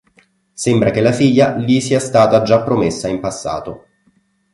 Sembra che la figlia gli sia stata già promessa in passato.